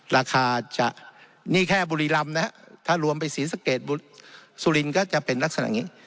ราคาจะนี่แค่บุรีรำนะฮะถ้ารวมไปศรีสะเกดสุรินทร์ก็จะเป็นลักษณะอย่างนี้